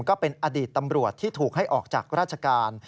ก็เป็นอดีตตำรวจที่ถูกให้ออกจากราชการ